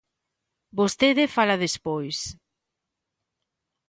Vostede fala despois.